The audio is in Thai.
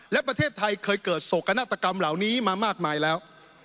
และประเทศไทยเคยเกิดโศกนาฏกรรมเหล่านี้มามากมายแล้ว